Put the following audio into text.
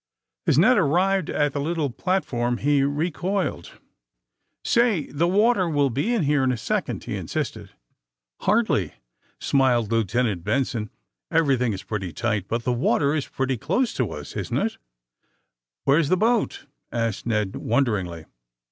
As Ned arrived at the little platform he re coiled. '^Say, the water will be in here in a second," he insisted. AND THE SMUGGLERS 167 ^^Hardly^'^ smiled Lieutenant Benson. Everything is pretty tight, but the water is pretty close to ns, isn't it?" *' "Where's the boat?" asked Ned wonderingly.